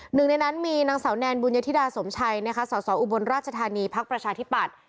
หนึ่งในนั้นมีนางสาวแนนบุญยธิดาสมชัยนะคะสสอุบลราชธานีพักประชาธิปัตย์